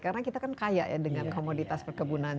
karena kita kan kaya ya dengan komoditas perkebunan